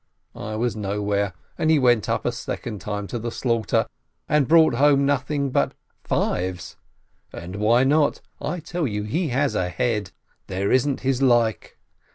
I was nowhere, and he went up a second time to the slaughter, and brought home nothing but fives ! And why not ? I tell you, he has a head — there isn't his like